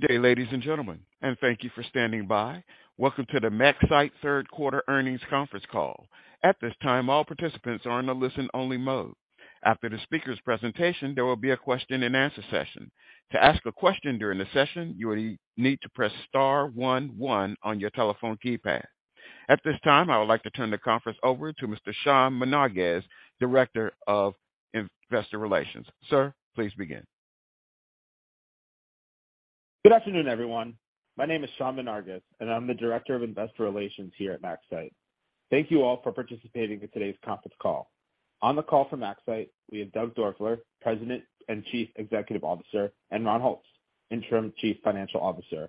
Good day, ladies and gentlemen, and thank you for standing by. Welcome to the MaxCyte third quarter earnings conference call. At this time, all participants are in a listen-only mode. After the speaker's presentation, there will be a question-and-answer session. To ask a question during the session, you will need to press star one one on your telephone keypad. At this time, I would like to turn the conference over to Mr. Sean Menarguez, Director of Investor Relations. Sir, please begin. Good afternoon, everyone. My name is Sean Menarguez, and I'm the Director of Investor Relations here at MaxCyte. Thank you all for participating in today's conference call. On the call for MaxCyte, we have Doug Doerfler, President and Chief Executive Officer, and Ron Holtz, Interim Chief Financial Officer.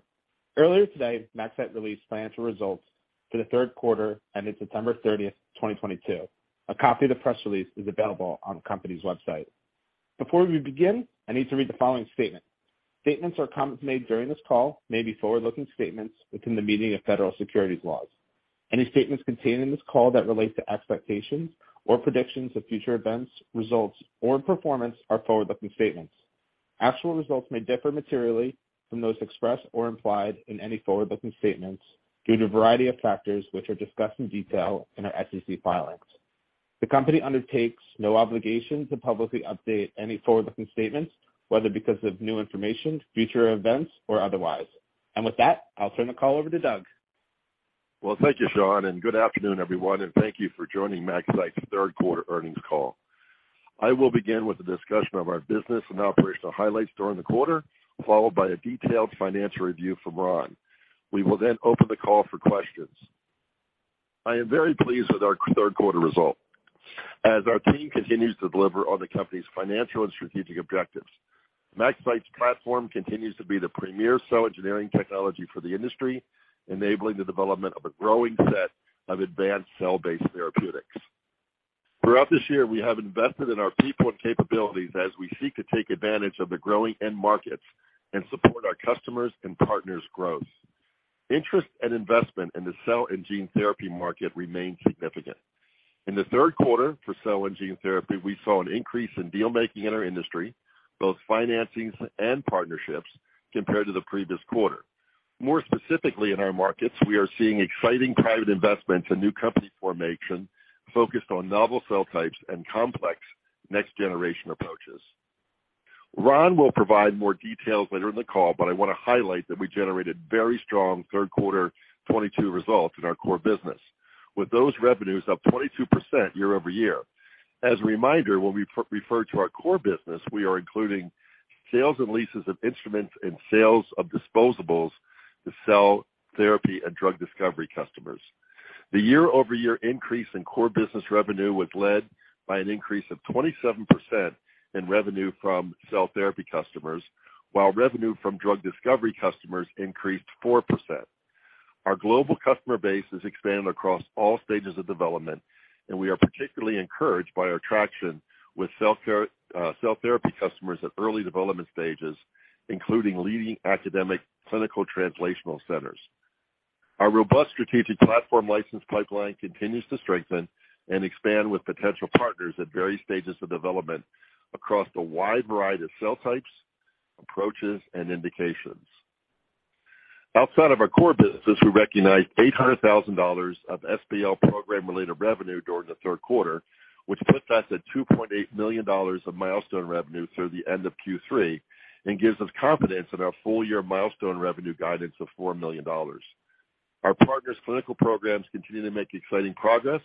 Earlier today, MaxCyte released financial results for the third quarter ended September 30, 2022. A copy of the press release is available on the company's website. Before we begin, I need to read the following statement. Statements or comments made during this call may be forward-looking statements within the meaning of federal securities laws. Any statements contained in this call that relate to expectations or predictions of future events, results, or performance are forward-looking statements. Actual results may differ materially from those expressed or implied in any forward-looking statements due to a variety of factors, which are discussed in detail in our SEC filings. The company undertakes no obligation to publicly update any forward-looking statements, whether because of new information, future events, or otherwise. With that, I'll turn the call over to Doug. Well, thank you, Sean, and good afternoon, everyone, and thank you for joining MaxCyte's third quarter earnings call. I will begin with a discussion of our business and operational highlights during the quarter, followed by a detailed financial review from Ron. We will then open the call for questions. I am very pleased with our third quarter result as our team continues to deliver on the company's financial and strategic objectives. MaxCyte's platform continues to be the premier cell engineering technology for the industry, enabling the development of a growing set of advanced cell-based therapeutics. Throughout this year, we have invested in our people and capabilities as we seek to take advantage of the growing end markets and support our customers' and partners' growth. Interest and investment in the cell and gene therapy market remain significant. In the third quarter for cell and gene therapy, we saw an increase in deal-making in our industry, both financings and partnerships compared to the previous quarter. More specifically in our markets, we are seeing exciting private investments and new company formation focused on novel cell types and complex next-generation approaches. Ron will provide more details later in the call, but I want to highlight that we generated very strong third quarter 2022 results in our core business, with those revenues up 22% year-over-year. As a reminder, when we refer to our core business, we are including sales and leases of instruments and sales of disposables to cell therapy and drug discovery customers. The year-over-year increase in core business revenue was led by an increase of 27% in revenue from cell therapy customers, while revenue from drug discovery customers increased 4%. Our global customer base has expanded across all stages of development, and we are particularly encouraged by our traction with cell therapy customers at early development stages, including leading academic clinical translational centers. Our robust strategic platform license pipeline continues to strengthen and expand with potential partners at various stages of development across a wide variety of cell types, approaches, and indications. Outside of our core business, we recognized $800,000 of SPL program-related revenue during the third quarter, which puts us at $2.8 million of milestone revenue through the end of Q3 and gives us confidence in our full-year milestone revenue guidance of $4 million. Our partners' clinical programs continue to make exciting progress,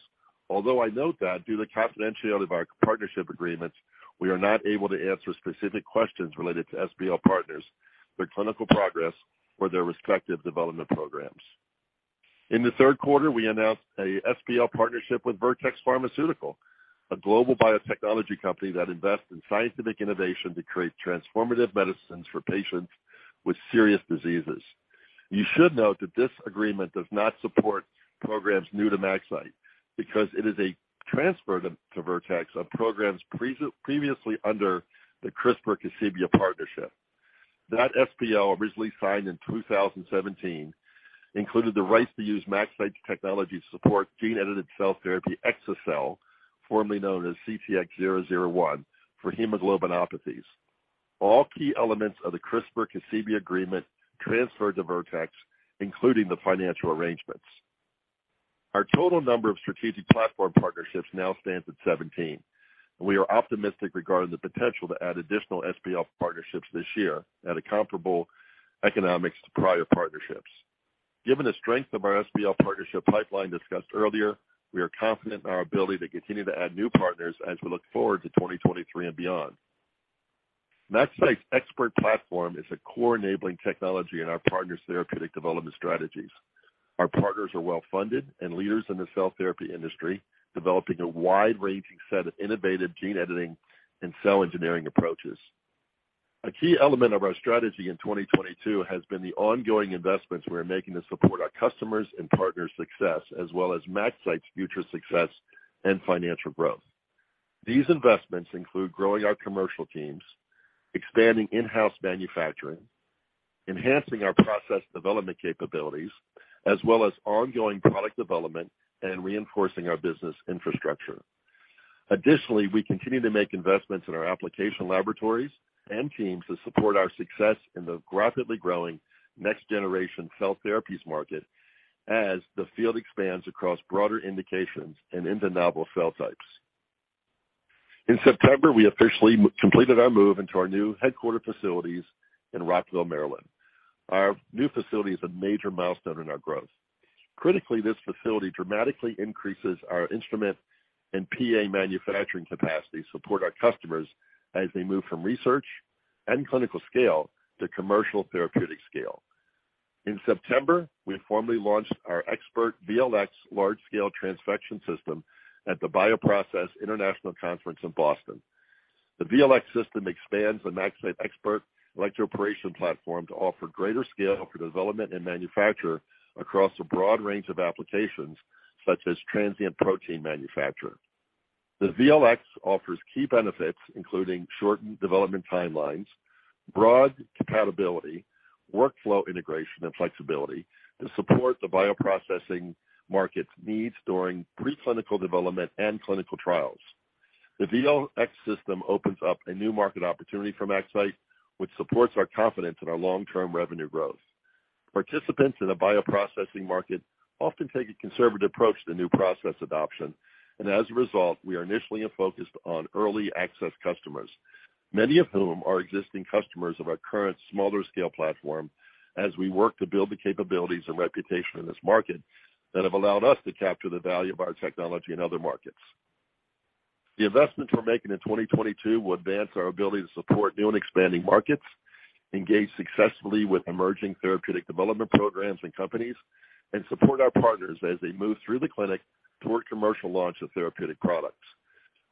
although I note that due to the confidentiality of our partnership agreements, we are not able to answer specific questions related to SPL partners, their clinical progress, or their respective development programs. In the third quarter, we announced a SPL partnership with Vertex Pharmaceuticals, a global biotechnology company that invests in scientific innovation to create transformative medicines for patients with serious diseases. You should note that this agreement does not support programs new to MaxCyte because it is a transfer to Vertex of programs previously under the CRISPR-Cas9 partnership. That SPL, originally signed in 2017, included the rights to use MaxCyte's technology to support gene-edited cell therapy exa-cel, formerly known as CTX001, for hemoglobinopathies. All key elements of the CRISPR-Cas9 agreement transferred to Vertex, including the financial arrangements. Our total number of strategic platform partnerships now stands at 17, and we are optimistic regarding the potential to add additional SPL partnerships this year at a comparable economics to prior partnerships. Given the strength of our SPL partnership pipeline discussed earlier, we are confident in our ability to continue to add new partners as we look forward to 2023 and beyond. MaxCyte's ExPERT platform is a core enabling technology in our partners' therapeutic development strategies. Our partners are well-funded and leaders in the cell therapy industry, developing a wide-ranging set of innovative gene editing and cell engineering approaches. A key element of our strategy in 2022 has been the ongoing investments we are making to support our customers' and partners' success, as well as MaxCyte's future success and financial growth. These investments include growing our commercial teams, expanding in-house manufacturing, enhancing our process development capabilities, as well as ongoing product development and reinforcing our business infrastructure. Additionally, we continue to make investments in our application laboratories and teams to support our success in the rapidly growing next-generation cell therapies market as the field expands across broader indications and into novel cell types. In September, we officially completed our move into our new headquarters facilities in Rockville, Maryland. Our new facility is a major milestone in our growth. Critically, this facility dramatically increases our instrument and PA manufacturing capacity to support our customers as they move from research and clinical scale to commercial therapeutic scale. In September, we formally launched our ExPERT VLX large-scale transfection system at the BioProcess International Conference in Boston. The VLX system expands the MaxCyte ExPERT electroporation platform to offer greater scale for development and manufacture across a broad range of applications such as transient protein manufacture. The VLX offers key benefits, including shortened development timelines, broad compatibility, workflow integration and flexibility to support the bioprocessing market's needs during pre-clinical development and clinical trials. The VLX system opens up a new market opportunity for MaxCyte, which supports our confidence in our long-term revenue growth. Participants in the bioprocessing market often take a conservative approach to new process adoption, and as a result, we are initially focused on early access customers, many of whom are existing customers of our current smaller scale platform as we work to build the capabilities and reputation in this market that have allowed us to capture the value of our technology in other markets. The investments we're making in 2022 will advance our ability to support new and expanding markets, engage successfully with emerging therapeutic development programs and companies, and support our partners as they move through the clinic toward commercial launch of therapeutic products.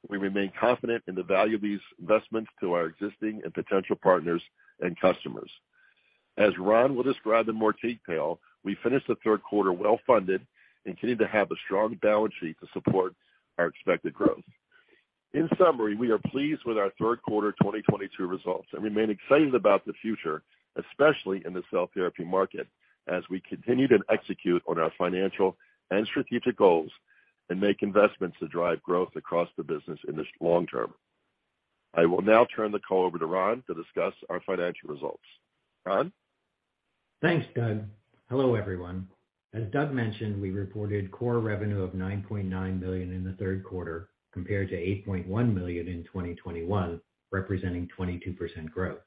We remain confident in the value of these investments to our existing and potential partners and customers. As Ron will describe in more detail, we finished the third quarter well-funded and continue to have a strong balance sheet to support our expected growth. In summary, we are pleased with our third quarter 2022 results and remain excited about the future, especially in the cell therapy market, as we continue to execute on our financial and strategic goals and make investments to drive growth across the business in the long term. I will now turn the call over to Ron to discuss our financial results. Ron? Thanks, Doug. Hello, everyone. As Doug mentioned, we reported core revenue of $9.9 million in the third quarter compared to $8.1 million in 2021, representing 22% growth.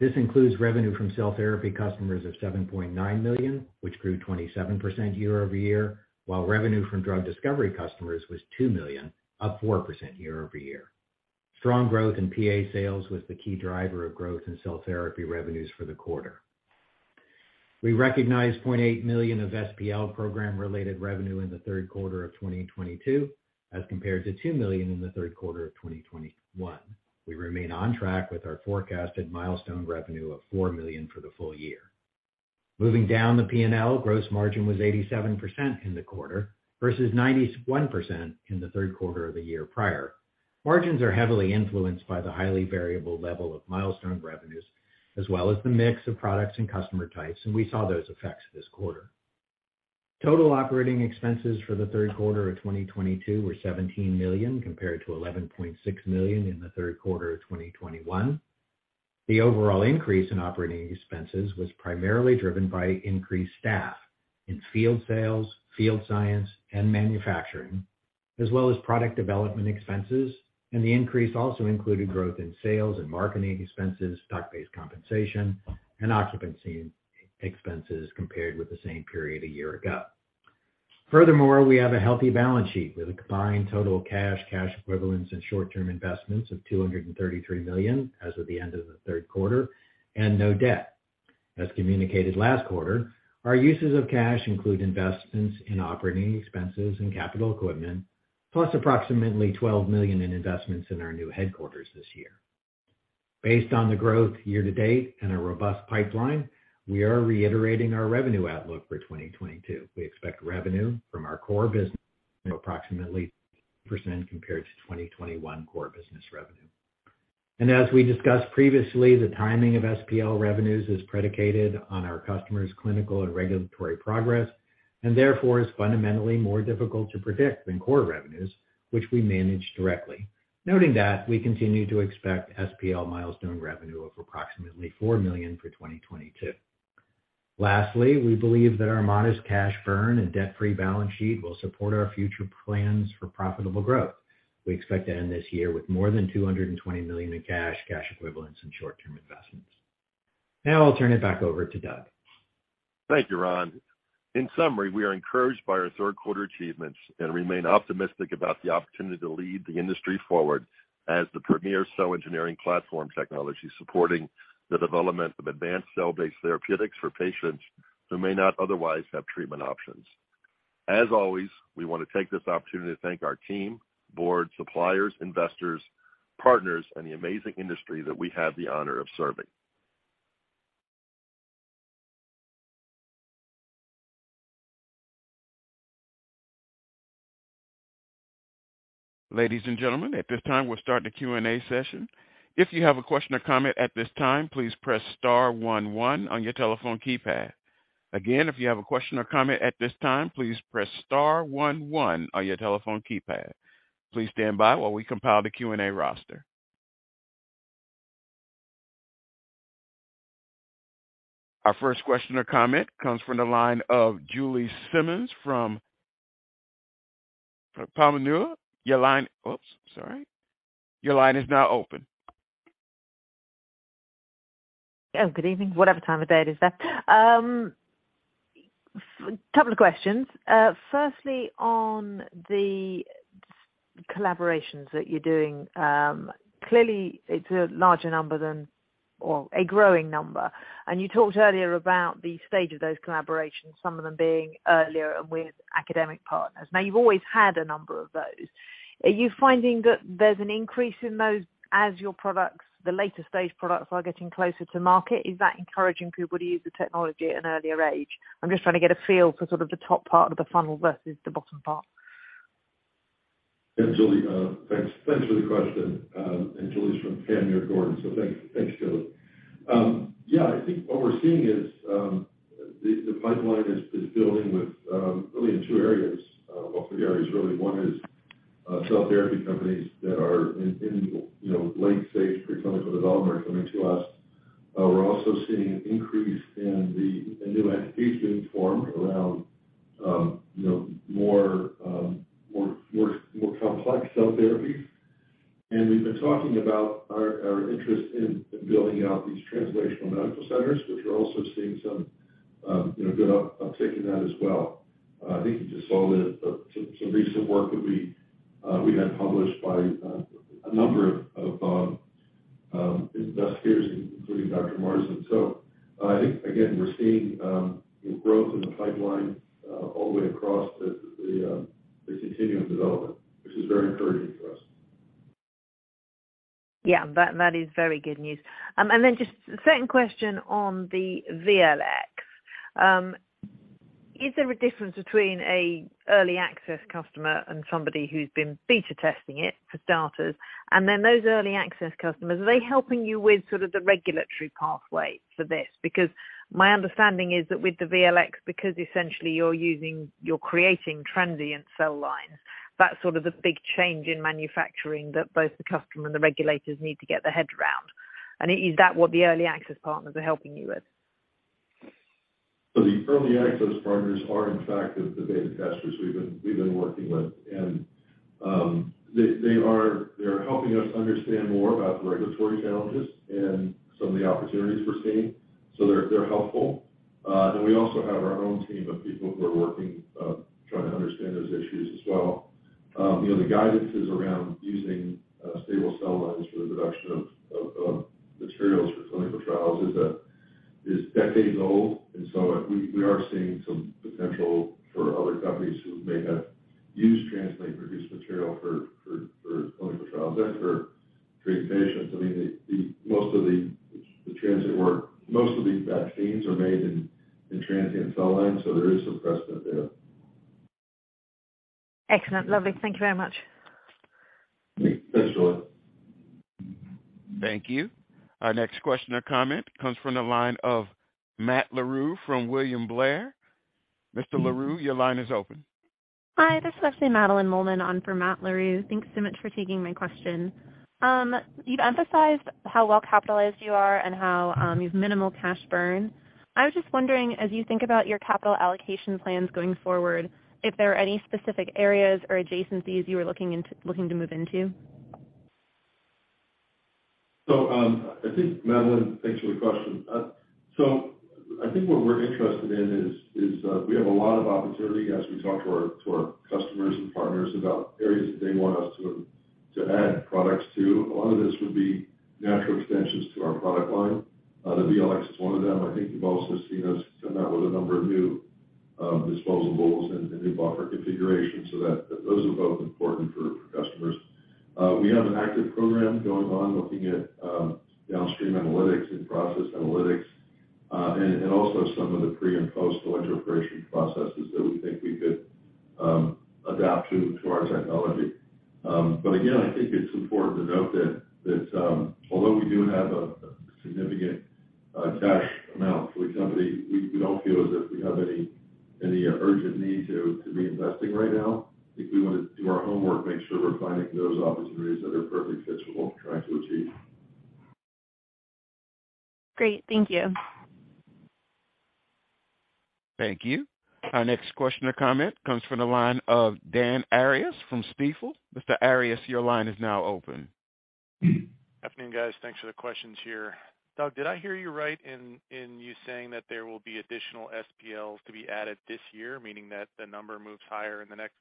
This includes revenue from cell therapy customers of $7.9 million, which grew 27% year-over-year, while revenue from drug discovery customers was $2 million, up 4% year-over-year. Strong growth in PA sales was the key driver of growth in cell therapy revenues for the quarter. We recognized $0.8 million of SPL program-related revenue in the third quarter of 2022 as compared to $2 million in the third quarter of 2021. We remain on track with our forecasted milestone revenue of $4 million for the full year. Moving down the P&L, gross margin was 87% in the quarter versus 91% in the third quarter of the year prior. Margins are heavily influenced by the highly variable level of milestone revenues as well as the mix of products and customer types, and we saw those effects this quarter. Total operating expenses for the third quarter of 2022 were $17 million compared to $11.6 million in the third quarter of 2021. The overall increase in operating expenses was primarily driven by increased staff in field sales, field science, and manufacturing, as well as product development expenses, and the increase also included growth in sales and marketing expenses, stock-based compensation, and occupancy expenses compared with the same period a year ago. Furthermore, we have a healthy balance sheet with a combined total cash equivalents, and short-term investments of $233 million as of the end of the third quarter and no debt. As communicated last quarter, our uses of cash include investments in operating expenses and capital equipment, plus approximately $12 million in investments in our new headquarters this year. Based on the growth year to date and our robust pipeline, we are reiterating our revenue outlook for 2022. We expect revenue from our core business of approximately percent compared to 2021 core business revenue. As we discussed previously, the timing of SPL revenues is predicated on our customers' clinical and regulatory progress and therefore is fundamentally more difficult to predict than core revenues, which we manage directly. Noting that, we continue to expect SPL milestone revenue of approximately $4 million for 2022. Lastly, we believe that our modest cash burn and debt-free balance sheet will support our future plans for profitable growth. We expect to end this year with more than $220 million in cash equivalents, and short-term investments. Now I'll turn it back over to Doug. Thank you, Ron. In summary, we are encouraged by our third quarter achievements and remain optimistic about the opportunity to lead the industry forward as the premier cell engineering platform technology supporting the development of advanced cell-based therapeutics for patients who may not otherwise have treatment options. As always, we want to take this opportunity to thank our team, board, suppliers, investors, partners, and the amazing industry that we have the honor of serving. Ladies and gentlemen, at this time, we'll start the Q&A session. If you have a question or comment at this time, please press star one one on your telephone keypad. Again, if you have a question or comment at this time, please press star one one on your telephone keypad. Please stand by while we compile the Q&A roster. Our first question or comment comes from the line of Julie Simmonds from Canaccord. Your line is now open. Oh, good evening. Whatever time of day it is there. Couple of questions. Firstly on the collaborations that you're doing, clearly it's a larger number than or a growing number. You talked earlier about the stage of those collaborations, some of them being earlier and with academic partners. Now, you've always had a number of those. Are you finding that there's an increase in those as your products, the later stage products are getting closer to market? Is that encouraging people to use the technology at an earlier age? I'm just trying to get a feel for sort of the top part of the funnel versus the bottom part. Yeah, Julie, thanks. Thanks for the question. Julie's from Canaccord Genuity. Thanks, Julie. Yeah, I think what we're seeing is the pipeline is filling with really in two areas. Well, three areas really. One is cell therapy companies that are in you know late stage pre-clinical development are coming to us. We're also seeing an increase in the new entities being formed around you know more complex cell therapies. We've been talking about our interest in building out these translational medical centers, which we're also seeing some you know good uptake in that as well. I think you just saw some recent work that we had published by a number of investigators, including Dr. Mohamad Mohty. I think again, we're seeing growth in the pipeline all the way across the continuum development, which is very encouraging for us. Yeah, that is very good news. Just second question on the VLX. Is there a difference between an early access customer and somebody who's been beta testing it for starters? Then those early access customers, are they helping you with sort of the regulatory pathway for this? Because my understanding is that with the VLX, you're creating transient cell lines, that's sort of the big change in manufacturing that both the customer and the regulators need to get their head around. Is that what the early access partners are helping you with? The early access partners are in fact the beta testers we've been working with. They are helping us understand more about the regulatory challenges and some of the opportunities we're seeing. They're helpful. We also have our own team of people who are working trying to understand those issues as well. You know, the guidances around using stable cell lines for the production of materials for clinical trials is decades old. We are seeing some potential for other companies who may have used transient produced material for clinical trials and for treating patients. I mean, most of the transient work, most of these vaccines are made in transient cell lines, so there is some precedent there. Excellent. Lovely. Thank you very much. Thanks, Julie. Thank you. Our next question or comment comes from the line of Matt Larew from William Blair. Mr. Larew, your line is open. Hi, this is actually Madeline Mollman on for Matt Larew. Thanks so much for taking my question. You've emphasized how well capitalized you are and how you've minimal cash burn. I was just wondering, as you think about your capital allocation plans going forward, if there are any specific areas or adjacencies you are looking to move into. I think, Madeline, thanks for the question. I think what we're interested in is we have a lot of opportunity as we talk to our customers and partners about areas that they want us to add products to. A lot of this would be natural extensions to our product line. The VLX is one of them. I think you've also seen us come out with a number of new disposables and new buffer configurations, so that those are both important for customers. We have an active program going on looking at downstream analytics, in-process analytics, and also some of the pre and post electroporation processes that we think we could adapt to our technology. Again, I think it's important to note that although we do have a significant cash amount for the company, we don't feel as if we have any urgent need to be investing right now. I think we want to do our homework, make sure we're finding those opportunities that are perfectly fit for what we're trying to achieve. Great. Thank you. Thank you. Our next question or comment comes from the line of Dan Arias from Stifel. Mr. Arias, your line is now open. Good afternoon, guys. Thanks for the questions here. Doug, did I hear you right in you saying that there will be additional SPLs to be added this year, meaning that the number moves higher in the next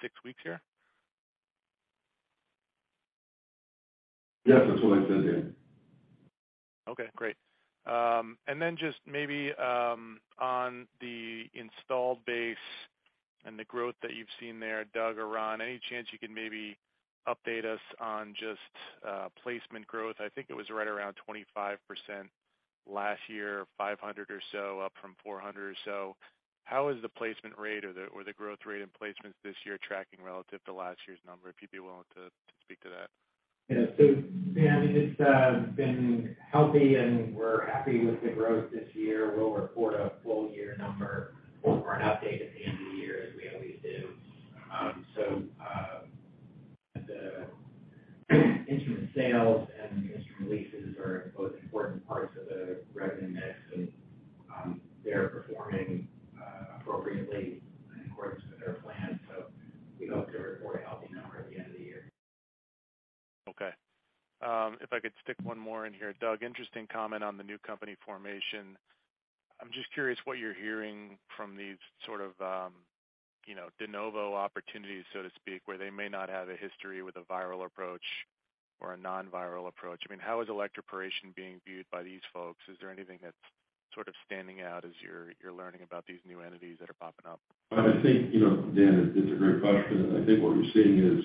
six weeks here? Yes, that's what I said, Dan. Okay, great. And then just maybe on the installed base and the growth that you've seen there, Doug or Ron, any chance you can maybe update us on just placement growth? I think it was right around 25% last year, 500 or so, up from 400 or so. How is the placement rate or the growth rate in placements this year tracking relative to last year's number? If you'd be willing to speak to that. Yeah. Dan, it's been healthy, and we're happy with the growth this year. We'll report a full year number or an update at the end of the year as we always do. The instrument sales and instrument leases are both important parts of the revenue mix, and they're performing appropriately in accordance with their plan. We hope to report a healthy number at the end of the year. Okay. If I could stick one more in here. Doug, interesting comment on the new company formation. I'm just curious what you're hearing from these sort of, you know, de novo opportunities, so to speak, where they may not have a history with a viral approach or a non-viral approach. I mean, how is electroporation being viewed by these folks? Is there anything that's sort of standing out as you're learning about these new entities that are popping up? I think, you know, Dan, it's a great question, and I think what we're seeing is,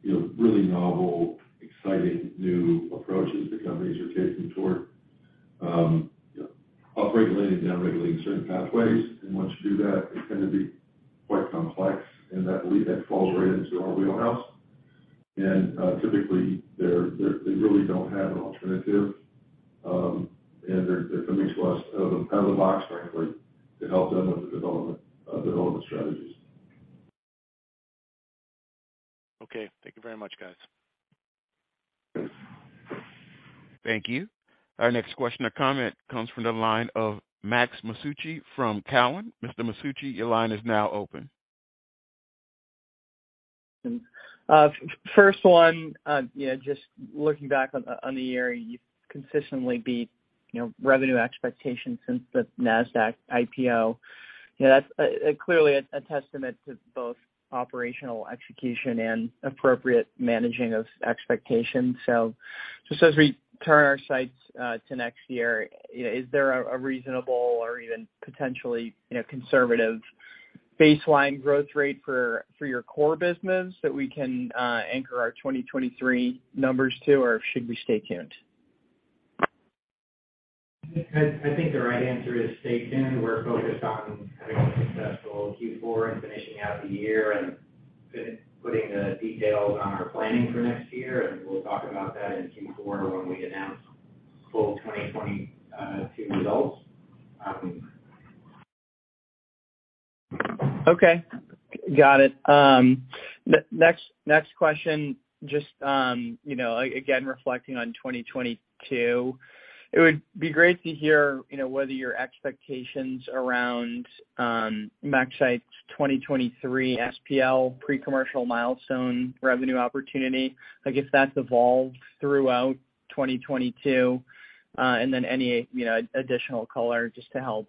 you know, really novel, exciting new approaches that companies are taking toward, upregulating and downregulating certain pathways. Once you do that, they tend to be quite complex and that falls right into our wheelhouse. Typically, they really don't have an alternative, and they're coming to us out of the box, frankly, to help them with the development strategies. Okay. Thank you very much, guys. Thank you. Our next question or comment comes from the line of Maher Masoud from Cowen. Mr. Masoud, your line is now open. First one, you know, just looking back on the year, you've consistently beat, you know, revenue expectations since the NASDAQ IPO. You know, that's clearly a testament to both operational execution and appropriate managing of expectations. Just as we turn our sights to next year, you know, is there a reasonable or even potentially, you know, conservative baseline growth rate for your core business that we can anchor our 2023 numbers to, or should we stay tuned? I think the right answer is stay tuned. We're focused on having a successful Q4 and finishing out the year and putting the details on our planning for next year. We'll talk about that in Q4 when we announce full 2022 results. Okay, got it. Next question, just, you know, again, reflecting on 2022, it would be great to hear, you know, whether your expectations around MaxCyte's 2023 SPL pre-commercial milestone revenue opportunity, I guess that's evolved throughout 2022. Any, you know, additional color just to help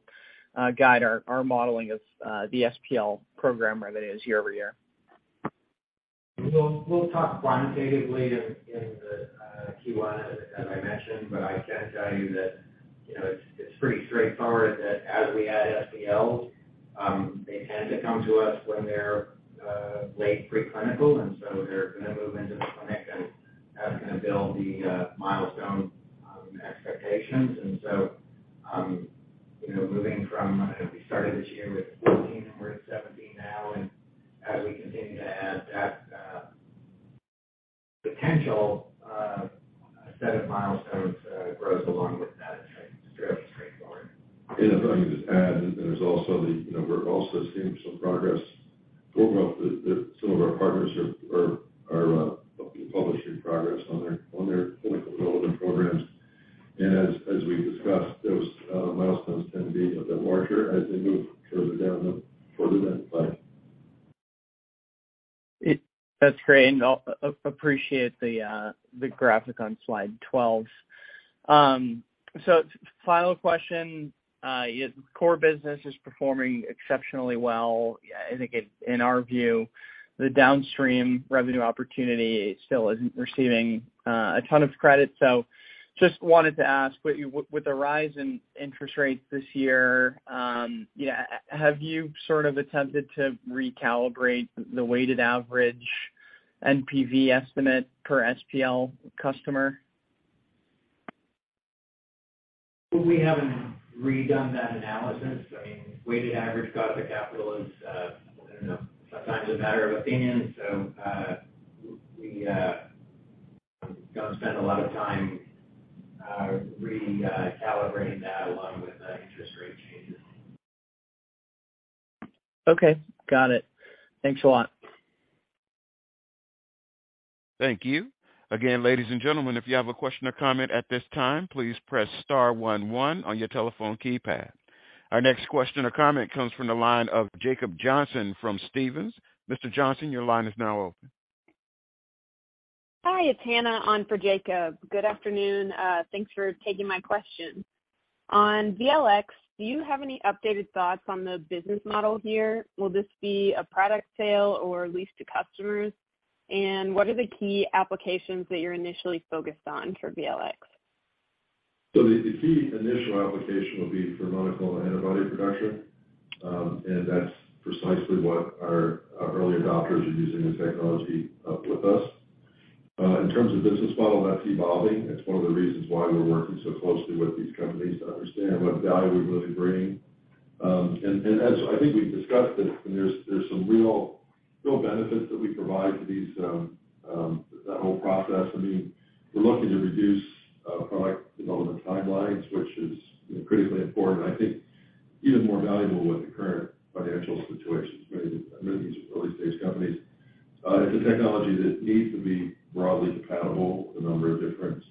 guide our modeling of the SPL program revenues year-over-year. We'll talk quantitatively in the Q1, as I mentioned, but I can tell you that, you know, it's pretty straightforward that as we add SPLs, they tend to come to us when they're late pre-clinical, and so they're gonna move into the clinic and that's gonna build the milestone expectations. You know, moving from, I don't know, we started this year with 14 and we're at 17 now, and as we continue to add that, potential set of milestones grows along with that. It's fairly straightforward. Yeah. If I can just add, there's also, you know, we're also seeing some progress. Well, some of our partners are publishing progress on their clinical development programs. As we discussed, those milestones tend to be a bit larger as they move further down the pipe. That's great, and I'll appreciate the graphic on slide 12. Final question, core business is performing exceptionally well. I think in our view, the downstream revenue opportunity still isn't receiving a ton of credit. Just wanted to ask, with the rise in interest rates this year, have you sort of attempted to recalibrate the weighted average NPV estimate per SPL customer? We haven't redone that analysis. I mean, weighted average cost of capital is, you know, sometimes a matter of opinion. We don't spend a lot of time recalibrating that along with interest rate changes. Okay. Got it. Thanks a lot. Thank you. Again, ladies and gentlemen, if you have a question or comment at this time, please press star one one on your telephone keypad. Our next question or comment comes from the line of Jacob Johnson from Stephens. Mr. Johnson, your line is now open. Hi, it's Hannah on for Jacob. Good afternoon. Thanks for taking my question. On VLX, do you have any updated thoughts on the business model here? Will this be a product sale or lease to customers? What are the key applications that you're initially focused on for VLX? The key initial application will be for monoclonal antibody production, and that's precisely what our early adopters are using the technology with us. In terms of business model, not debating. It's one of the reasons why we're working so closely with these companies to understand what value we're really bringing. As I think we've discussed this, and there's some real benefits that we provide to these, that whole process. I mean, we're looking to reduce product development timelines, which you know is critically important. I think even more valuable with the current financial situations made under these early-stage companies. It's a technology that needs to be broadly compatible with a number of different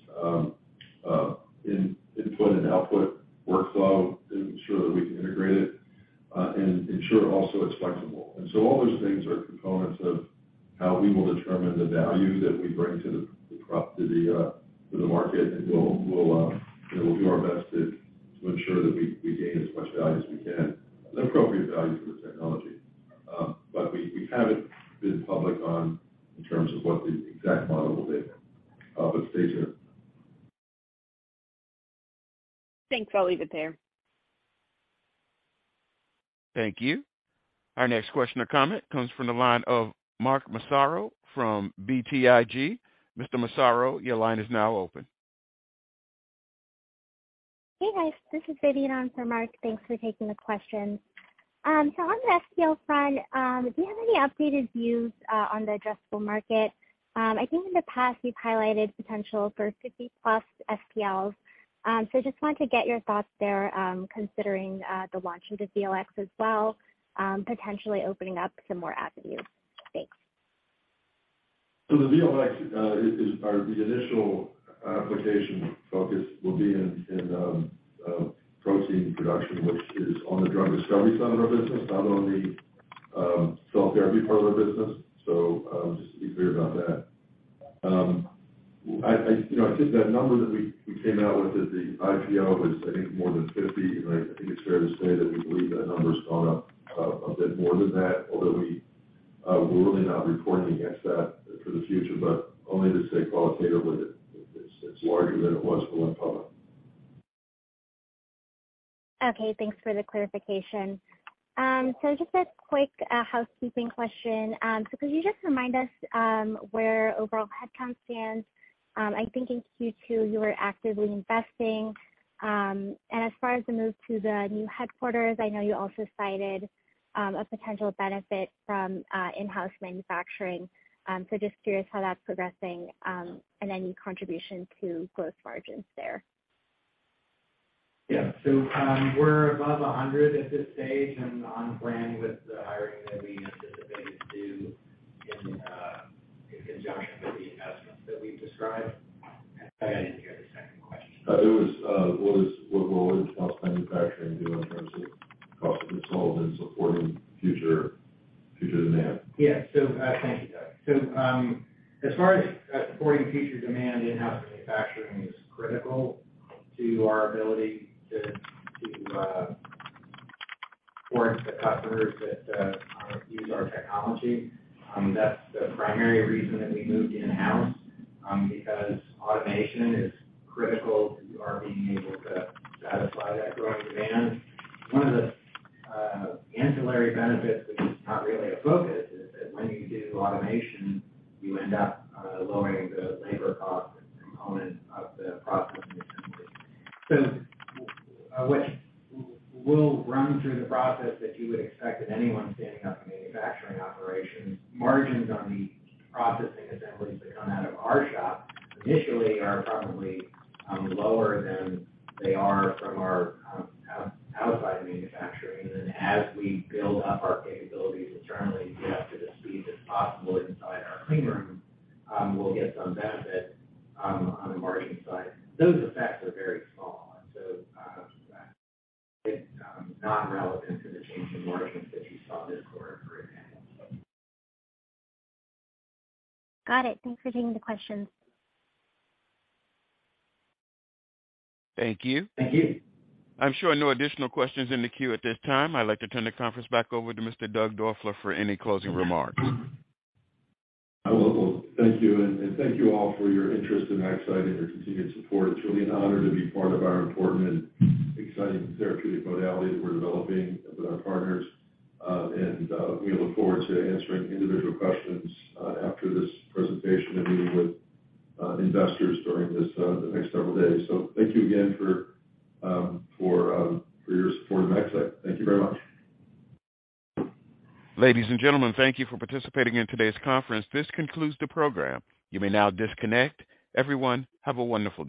input and output workflow to ensure that we can integrate it and ensure also it's flexible. All those things are components of how we will determine the value that we bring to the market, and we'll, you know, do our best to ensure that we gain as much value as we can, the appropriate value for the technology. We haven't been public on in terms of what the exact model will be. Stacia? Thanks. I'll leave it there. Thank you. Our next question or comment comes from the line of Mark Massaro from BTIG. Mr. Massaro, your line is now open. Hey, guys. This is Vivian on for Mark. Thanks for taking the question. On the SPL side, do you have any updated views on the addressable market? I think in the past you've highlighted potential for 60+ SPLs. Just wanted to get your thoughts there, considering the launch into VLX as well, potentially opening up some more avenues. Thanks. The VLX is our initial application focus will be in protein production, which is on the drug discovery side of our business, not on the cell therapy part of our business. Just to be clear about that. You know, I think that number that we came out with at the IPO is I think more than 50. I think it's fair to say that we believe that number's gone up a bit more than that, although we're really not reporting against that for the future, but only to say qualitatively that it's larger than it was when public. Okay. Thanks for the clarification. Just a quick housekeeping question. Could you just remind us where overall headcount stands? I'm thinking Q2 you were actively investing. As far as the move to the new headquarters, I know you also cited a potential benefit from in-house manufacturing. Just curious how that's progressing and any contribution to growth margins there. We're above 100 at this stage and on brand with the hiring that we anticipated to in conjunction with the investments that we've described. I didn't hear the second question. What will in-house manufacturing do in terms of cost of goods sold and supporting future demand? Yeah. Thank you, Doug. As far as supporting future demand, in-house manufacturing is critical to our ability to support the customers that use our technology. That's the primary reason that we moved in-house, because automation is critical to our being able to satisfy that growing demand. One of the ancillary benefits, which is not really a focus, is that when you do automation, you end up lowering the labor cost component of the processing assembly. Which we'll run through the process that you would expect of anyone standing up a manufacturing operation. Margins on the processing assemblies that come out of our shop initially are probably lower than they are from our outside manufacturing. As we build up our capabilities internally and get up to the speed that's possible inside our clean room, we'll get some benefit on the margin side. Those effects are very small. It's not relevant to the change in margins that you saw this quarter, for example. Got it. Thanks for taking the questions. Thank you. Thank you. I'm showing no additional questions in the queue at this time. I'd like to turn the conference back over to Mr. Doug Doerfler for any closing remarks. I will. Thank you, and thank you all for your interest in MaxCyte and your continued support. It's really an honor to be part of our important and exciting therapeutic modality that we're developing with our partners. We look forward to answering individual questions after this presentation and meeting with investors during the next several days. Thank you again for your support of MaxCyte. Thank you very much. Ladies and gentlemen, thank you for participating in today's conference. This concludes the program. You may now disconnect. Everyone, have a wonderful day.